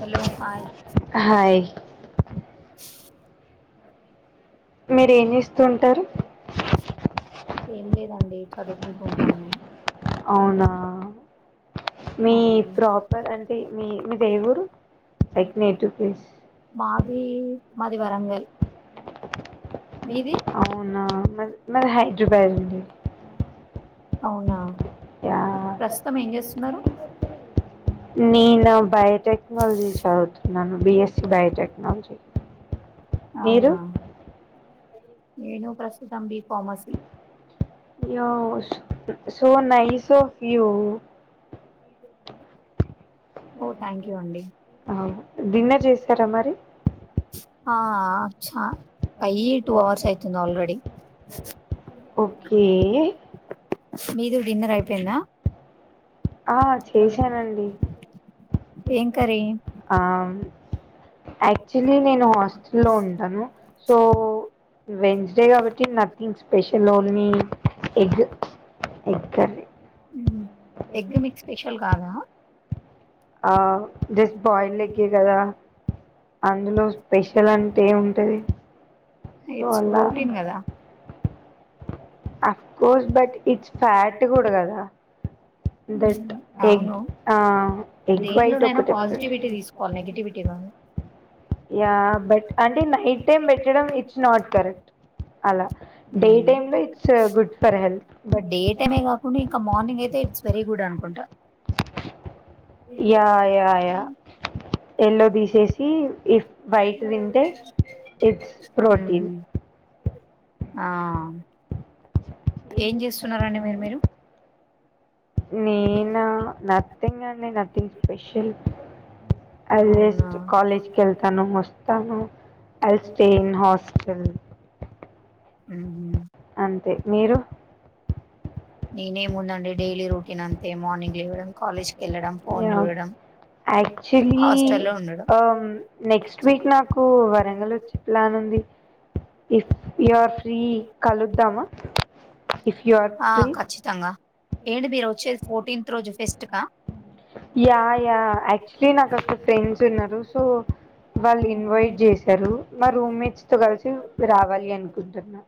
Hello hi hi మీర ఏం జేస్తుంటారు ఏం లేదండి చదువుకుంటు ఉంటాను నేను. అవునా మీ ఆ ప్రొపర్ అంటే మీ మీదే ఊరు లైక్ నేటివ్ ప్లేస్. మాది మాది వరంగల్ మీది అవునా మ మాది హైదరాబాద్ అండి అవునా యా ప్రస్తుతం ఏం చేస్తున్నారు నేను బయోటెక్నాలజీ చదువుతున్నాను బి. SC biotechnology. మీరు అవునా నేను ప్రస్తుతం బి ఫార్మసీ యో so nice of you thank you you అండి అవ్ డిన్నర్ చేసారా మరి. అబ్ ఛ అయ్యి టూ అవర్స్ అయితుంది ఆల్రేడి. ఓకే మీది డిన్నర్ అయిపోయిందా ఆ చేశానండి ఏం కర్రీ యాక్చులీ నేను హాస్టల్ లో ఉంటాను సో. వెన్స్ డే కాబట్టి nothing special own egg curry egg మీకు స్పెషల్ కాదా ఆ జస్ట్ బాయిల్డ్ ఎగ్ కదా అందులో స్పెషల్ అంటే ఏమీ ఉంటది సో ఇట్స్ అలా ప్రోటీన్ కదా of course but it's fact కూడా కదా దట్ ఎగ్ అవును ఎగ్ వైట్ దేన్లోనైనా ఒక పాజిటివిటీ తీసుకోవాలి డిఫరెంట్ నెగిటివిటీ కాదు యా బట్ అంటే నైట్ టైమ్ బేట్టడం ఇట్స్ నాట్ కరెక్ట్ అలా డే టైమ్ లో it's good for health but day టైమే కాకుండా ఇంకా మార్నింగ్ అయితే ఇట్స్ వెరీ గుడ్ అనుకుంటా యా యా యా ఎల్లో తీశేసి ఇఫ్ వైట్ తింటే ఇట్స్ ప్రోటీన్ ఆహ్ ఏం చేస్తున్నండి మరి మీరు నేనా నత్తింగ్ అండి నత్తింగ్ స్పెషల్ అల్ అవునా జస్ట్ కాలేజ్ కెళ్తాను వస్తాను అల్ స్టే ఇన్ హాస్టల్ హమ్ అంతే మీరు నేనేముందండి డైలీ రొటీన్ అంతే మార్నింగ్ ఇవ్వడం కాలేజ్కి వెళ్లడం ఫోన్ చూడడం యాక్చువల్లి హాస్టల్లో ఉండడం ఆ నెక్స్ట్ వీక్ నాకు వరంగల్ వచ్చే ప్లాన్ ఉంది ఫ్ యూ ఆర్ ఫ్రీ కలుద్దామా ఇఫ్ యు ఆర్ ఆ ఫ్రీ ఖచ్చితంగా ఏంటి మీరు వచ్చేది ఫోర్టీన్త్ రోజు ఫెస్ట్ కా యా యా యాక్చులీ నాకు అక్క ఫ్రెండ్స్ ఉన్నారు సో వాళ్ళు ఇన్వైట్ చేసారు మా రూమ్మేట్స్ తో కలిసి రావాలి అనుకుంటున్నా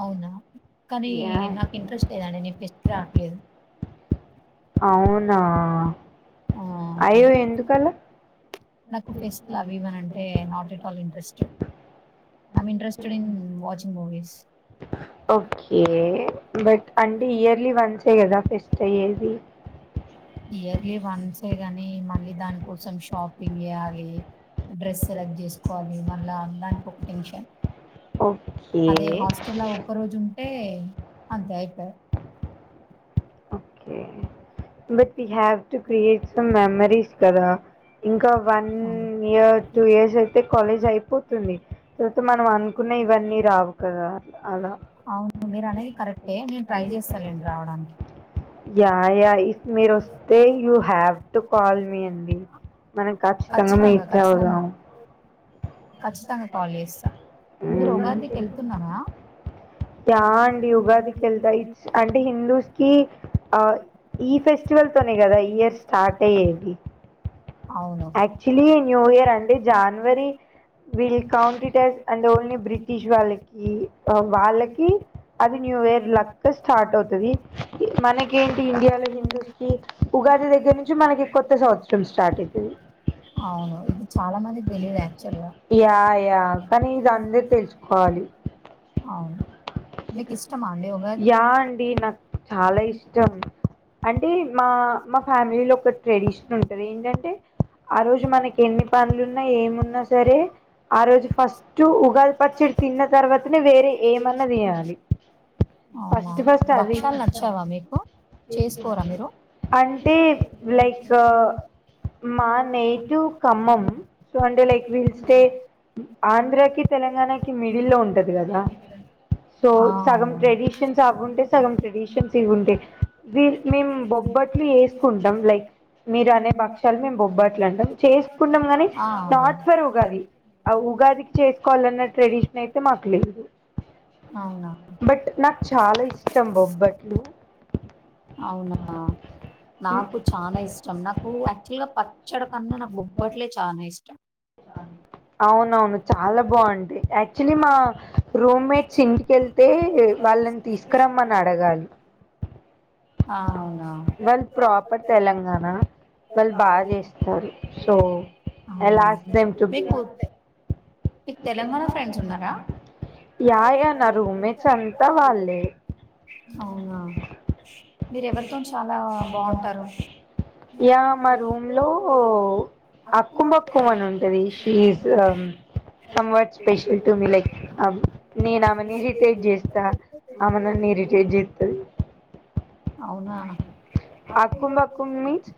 అవునా కానీ యా నాకు ఇంట్రెస్ట్ లేదండి నేను ఫెస్ట్ కి రావట్లేదు ఔను ఆ అయ్యో ఎందుకండి నాకు ఫేస్ట్లు అవి ఇవి అంటే not at all interest am interested in watching movies okay but అంటే ఇయర్లీ వన్సే కదా ఫెస్ట్ అయ్యేది ఇయర్లీ వన్స్ ఏ గాని మళ్ళీ దాని కోసం షాపింగ్ చేయ్యాలి డ్రెస్ సెలెక్ట్ చేసుకోవాలి మళ్ళ దానికొక టెన్షన్ అదే ఓకే హాస్టల్ ఒక్క రోజు ఉంటే అంతే అయిపోయ okay but we have to create some memories కదా ఇంకా వన్ ఇయర్ టూ ఇయర్స్ అయితే కాలేజ్ అయిపోతుంది తర్వాత మనం అనుకున్న ఇవన్నీ రావు కదా అలా అవును మీరు అనేది కరెక్టే నేను ట్రై చేస్త లేండి రావడానికి యా యా ఇఫ్ మీరోస్తే you have to call me అండి మనం కాచ్చితంగ ఖచ్చితంగా ఖచ్చితంగా మీటఉదం ఖచ్చితంగా కాల్ చేస్త మీరు ఉగాదికి వెళ్తున్నార యా అండి ఉగాదికి వెళ్తా ఇట్స్ అంటే హిందూస్ కి ఆ ఈ ఫెస్ ఈ ఫెస్టివల్ తోనే కదా ఇయర్ స్టార్ట్ అయ్యేది యాక్చుల్లీ న్యూ ఇయర్ అండి జాన్వరి విల్ దీని count it as complicate and only British వాళ్ళ వాళ్ళకి వాళ్ళకి అది న్యూ ఇయర్ లక్క స్టార్ట్ అవుతది మనకి ఇండియాలో హిందుస్కి ఉగాది దగ్గర నుంచి మనకి కొత్త సంవత్సరం స్టార్ట్ ఐతది అవును ఇది చాలా మందికి తెలియదు యాక్చువల్ గా యా యా కానీ ఇది అందరు తెలుసుకోవాలి అవును మీకు ఇష్టమా అండి ఉగాది యా అండి నాకు చాలా ఇష్టం అంటే మా మా ఫ్యామిలిలో ఒక ట్రెడిషన్ ఉంటది ఏంటంటే ఆ రోజు మనకి ఎన్ని పనులున్నా ఏమున్నా సరే ఆ రోజు ఫస్ట్ ఉగాది పచ్చడి తిన్న తర్వాతనే తర్వాతే వేరే ఏం మన్న ఏమన్నా తీయాలి చేయాలి అవునా ఫస్ట్ ఫస్ట్ అది భక్షాలు నచ్చావా మీకు చేసుకోరా మీరు అ అంటే లైక్ మా నేటివ్ ఖమ్మం సో అంటే లైక్ వీ స్టే ఆంధ్రాకి తెలంగాణకి మిడిల్ లో ఉంటది కదా సో సగం సెవెన్ ట్రెడిషన్స్ ట్రెడిషన్ అవింటే కాబట్టే సగం సెవెన్ ట్రెడిషన్స్ ఇవి ఫిఫ్టీ ఉంది ఉంటాయి మేం నేను బొబ్బట్లు చేస్తా వేసుకుంటాం లైక్ మీరు అనే మీరనే బక్షాలు మేము భక్షాలు బొబ్బట్లు అంటాం చే చేసుకుంటాం గాని వేసుకుని ఆ నాట్ ఫోర్ అసలు ఉగాది ఆ ఉగాది ఉగాదికి చేసుకోవాలన్న ట్రెడిషన్ అయితే మాకు లేదు అవునా బట్ నాకు చాలా ఇష్టం బొబ్బట్లు అవునా నాకు చాలా ఇష్టం నాకు యాక్చువల్ గా పచ్చడి కన్నా నాకు బొబ్బట్లే చాలా ఇష్టం [inaudible] అవునవును చాలా బాగుంటయి యాక్చువలీ మా రూమ్ రూమ్మేట్స్ మేట్స్ ఇంటికెళ్ ఇంటికెళ్తే అయితే వాళ్ళు వాళ్ళని స్పెషల్ అని తీసుకురమ్మని అడిగారు అడగాలి ఆ అవునా వాళ్ళు ప్రాపర్ తెలంగాణ వాళ్ళు బాగా చేస్తారు సో అవునా ఎలాస్ట్ మీకు మీకు తెలంగాణ ఫ్రెండ్స్ ఉన్నారా యా యా నా రూమ్మేట్స్ అంతా వాళ్ళే అవునా మీరు ఎవరితో చాలా బాగుంటారు యా మా రూమ్ లో అప్పు మొక్క అక్కుబక్కు అని ఉంటది ఉంటుంది she is soan what special to me like నేను ఆమెని అవన్నీ ఇరిటేట్ చేసి చేస్తా అమె నన్ని ఇర్రిటెట్ చేస్తది అవునా అప్పు అక్కుంబక్కుం మొక్కని మీన్స్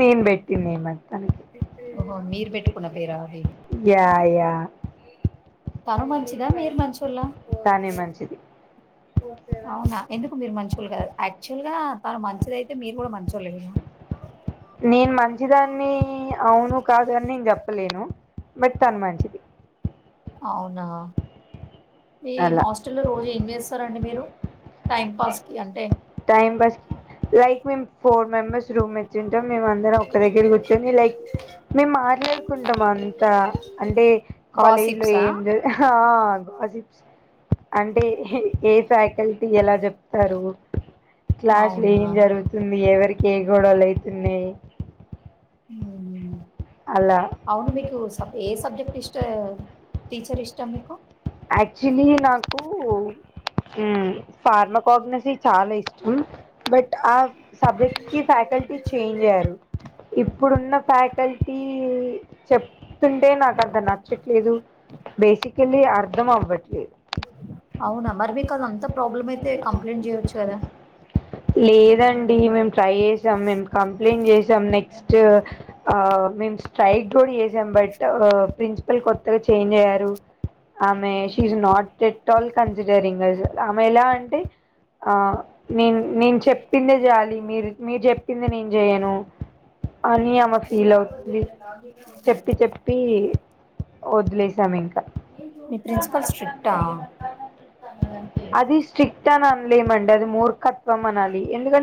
నేను పెట్టిన నేమ్ అది తనకి ఓహో మీరు పెట్టుకున్న పేరా అది యా యా తను మంచిదా మీరు మంచోల్ల తనే మంచిది అవునా ఎందుకు మీరు మంచోళ్ళు కదా యాక్చువల్ గా తాను మంచిది అయితే మీరు కూడా మంచోల్లే కా నేను మంచిదాన్ని అవును కాదు అని కాదని నేను చెప్పలేదు చెప్పలేను బట్ తను మంచిది అవునా మీ అలా హాస్టల్‌లో రోజు ఏం చేస్తారండి మీరు? టైమ్ పాస్‌కి అంటే? టైం పాస్ లైక్ మేము ఫోర్ మెంబర్స్ రూమ్మేట్స్ ఉంటాం మేమ అందరం ఒక్క దగ్గర కూర్చొని లైక్ మేము మా మాట్లాడుకుంటాం అంతా అంటే కాలేజీ లో గాసిప్సా? ఏం అంటే ఏ ఫ్యాకల్టీ ఎలా చెప్తారు క్లాస్లు అవునా? ఏం జరుగుతుంది ఎవరికి ఏ గొడవలు అయితున్నాయి ఉ అవును మీకు సబ్ ఏ సబ్జెక్ట్ ఇష్ట టీచర్ ఇష్టం మీకు యాక్చులీ నాకు ఫార్మాకాగ్నస్ చాలా ఇష్టం బట్ ఆ పబ్లిక్ సబ్జెక్ట్ నుంచి కి ఫక్ ప్యాకేజ్ ఫ్యాకల్టీ ని చేంజ్ అయ్యారు చేయాలి ఇప్పుడున్న ప్యాకేజ్ ఫ్యాకల్టీ ని చెప్తుంటే నాకు అంత నచ్చట్లేదు బేసికలీ అర్థం అవ్వట్లే అవున మరి మీకు అది అంత ప్రాబ్లం అయితే కంప్లైంట్ చేయొచ్చు కదా లేదండి నేను మేము ట్రై చేసాం చేశాను మేము కంప్లైంట్ చేసాం చేశాను నెక్స్ నెక్స్ట్ ఆ మేము నేను ట్రై స్ట్రైక్ కూడ కూడా చేసాం చేశాను బట్ ప్రిన్సిపల్ కొత్తగా చేంజ్ అయ్యారు ఆమె she is not at all considering ఆమె ఎలా అంటే ఆ నేను నేను చెప్పిందే జేయాలి మీరు మీరు చెప్పిందే నేను చెయను చెప్పి చెప్పి [unintelligible] వదిలేసాం ఇంక ప్రిసిపల్ స్ట్రిక్ట్ ఆ అది స స్ట్రిక్ట్ అని అనలేం అండి అది మూర్ఖత్వం అనాలి ఎందుక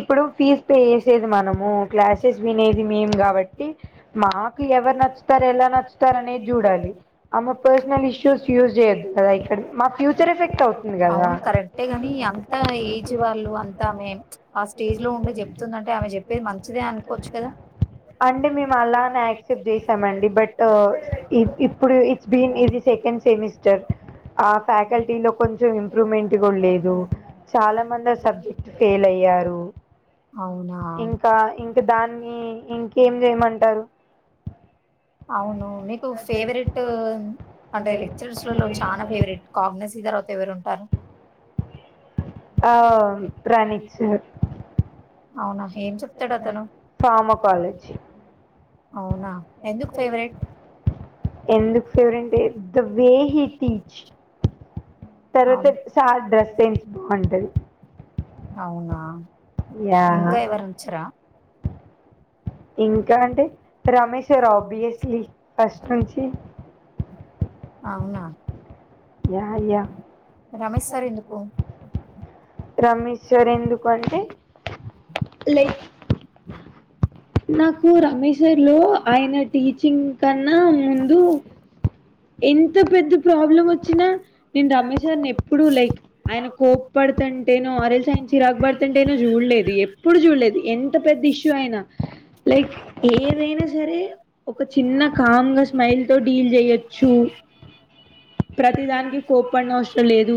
ఇప్పుడు ఫీజ్ పే చేసేది మనము క్లాసెస్ వినేది మేం కాబట్టి మాకు ఎవరు నచ్చుతారు ఎలా నచ్చుతారు అనేది చూడాలి అమ పర్సనల్ ఇష్యూస్ యూస్ చేయద్ కా ఇక్కడ మా ఫ్యూచర్ ఎఫెక్ట్ అవు అవును కరెక్టే గాని అంత ఏజ్ వాళ్ళు అంతా మే ఆ స్టేజ్ లో ఉండే చెప్తుందం అంటే ఆమె చెప్పేది మంచిదే అనుకోవచ్చు కదా అండి మేము అలానే యాక్సెప్ట్ చేసామండి బట్ ఇప్పుడు బీన్ ఇది సెకండ్ సెమిస్టర్ ఆ ఫ్యాకల్టీ లో కొంచెం ఇంప్రూవ్మెంట్ కూడ లేదు చాలా మంది ఆ సబ్జెక్ట్ ఫెయిల్ అయి యారు అవునా ఇంకా ఇంక దాన్ని ఇంకేం చేయమంటారు అవును నీకు ఫేవరెట్ అంటే లెక్చర్స్ల లో చాలా ఫేవరెట్ కాగ్నెసీ తర్వాత ఎవరు ఉంటారు ఆ కానీ ప్రణీత్ సార్ అవునా ఏం చెప్తాడు అతను ఫార్మకాలజీ అవున ఎందుకు ఫేవరెట్ ఎందుకు ఫేవరెంటే ద వే హి టీచ్ తర్వాత సార్ డ్రెస్ సెన్స్ బాగుంటది అవునా ఇంకా ఎవరుంచరా ఇంకా అంటే రమేష్ సార్ ఆబ్వియస్లీ ఫస్ట్ నుంచి అవున య య రమేష్ సార్ ఎందుకు రమేష్ లే నాకు రమేష్ సార్ లో ఆయన టీచింగ్ కన్నా ముందు ఎంత పెద్ద ప్రాబ్లం వచ్చినా నేను రమేష్ సార్ నీ ఎప్పుడు లైక్ ఆయన కోపాడు ఏంటంటే ఆర్చి చిరాకు బడుతుంటే చూడలేదు ఎప్పుడు చూడ లేదు ఎంత పెద్ద ఇష్యూ అయిన లైక్ ఏదైన సరే ఒక చిన్న కామ్ గా స్మైల్ తో డీల్ చేయ ప్రతి దానికి కోపన్ అవసరం లేదు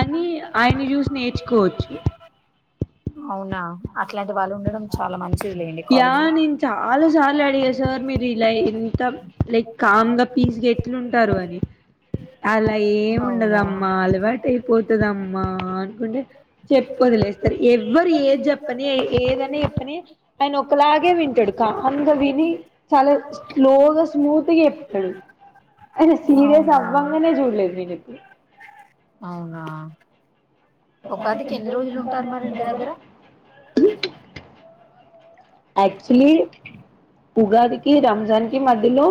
అని ఆయన్ని చూసి నేర్చుకోవచ్చు అవునా అట్లాంటి వాళ్ళు ఉండడం చాలా మంచిది లేండి కాలేజ్ లొ అడిగ సార్ మీరు ఇలా ఇంత లైక్ కామ్ గా పీస్గా ఎట్లుంటారు అని అలా అవునా ఏముండదమ్మా అలవాటుయి పోతుదమ్మా అనుకుంటే చెప్పదిలేస్తారు ఎవరు ఏజప్పని ఏదని చెప్పని ఆయన ఒకలాగే వింటాడు [unintelligible] విని చాలా స్లోగా స్మూత్గా చెప్తాడు ఆయన సీరియస్ అవునా అవవా అనే చూడలే ఇనిప్పు అవునా ఉగాదికి ఎన్ని రోజులు ఎ ఉంటారు మరి ఇంటి దగ్గర చె అంట యాక్చులీ ఉగాదికి రంజాన్ కి మధ్యలో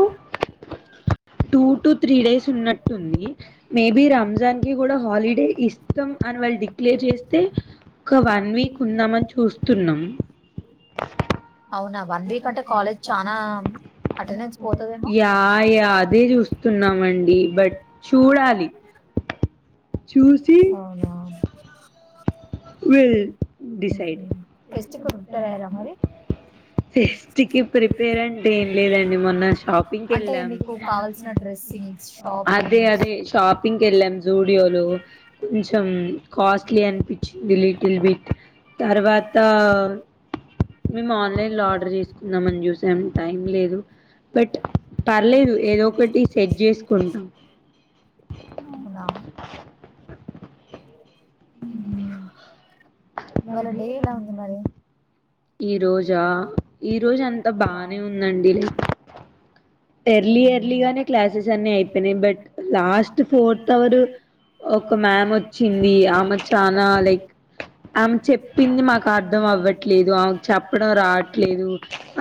టూ టు త్రీ డేస్ ఉన్నట్టుంది మేబి రంజాన్ కి కూడా హాలిడే ఇస్తం అని వాళ్ళు డిక్లేర్ చేస్తే ఒక వన్ వీక్ ఉందాంమని చూస్తున్నాం [inaudible] అవునా వన్ వీక్ అంటే కాలేజ్ చనా అటెండెన్స్ పోతుదేమో యా యా అదే చూస్తున్నామండి బట్ చూడాలి చూసి అవునా విల్ డిసైడ్ ఎస్ట్ కుతారరా మరి ఫేస్టికి ప్రిపేర్ అంటే ఏం లేదండి మొన్న షాపింగ్కి అంటే వెళ్ళాము మీకు కావల్సిన డ్రెస్సింగ్స్ అదే షాపింగ్ అదే షాపిింగ్ ఎలాం జూడియోలు కొంచెం కాస్ట్లీ అనిపించింది లిటిల్ బిట్ తర్వాత మేము ఆన్లైన్ లో ఆర్డర్ చేసుకుందాం అని చూసాము టైం లేదు బట్ పర్లేదు ఏదో ఒకటి సెట్ చేసుకుంటాం అవునా ఈ ఇవాళ డే ఎలా ఉంది మరి ఈ రోజా ఈ రోజ అంత బానే ఉందండి ఎర్లీ ఎర్లీగానే అవునా క్లాసెస్ అన్ని అయిపోయినాయి బట్ లాస్ట్ ఫోర్త్ అవర్ ఒక మ్యామ్ వచ్చింది ఆమె చనాా లైక్ ఆమె చెప్పింది మాకు అర్ధం అవ్వట్లేదు ఆమెకు చెప్పడం రావట్లేదు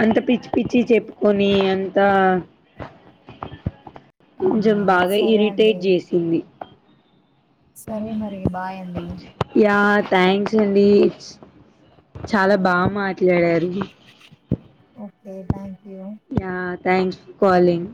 అంత పిచ్చి పిచ్చి చెప్పుకొని అంత కొంచెం బాగా సరే అండి ఇరిటేట్ చేసింది సరే మరి బాయండి యా థ్యాంక్స్ అండి ఇట్స్ చాలా బాగా మాట్లాడారు ఓకే థ్యాంక్ యూ నా థ్యాంక్ కాలింగ్